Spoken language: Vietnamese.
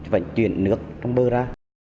vận chuyển nước trong mưa ra